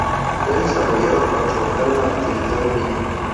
Fue desarrollada para trabajar en la actividad ovina.